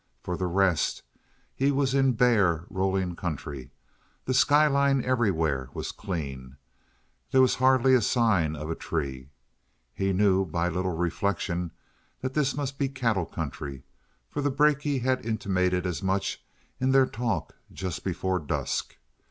For the rest, he was in bare, rolling country. The sky line everywhere was clean; there was hardly a sign of a tree. He knew, by a little reflection, that this must be cattle country, for the brakie had intimated as much in their talk just before dusk.